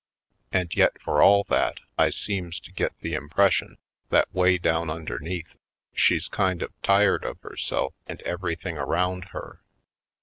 And yet for all that, I seems to get the impression that way down under neath she's kind of tired of herself and everything around her.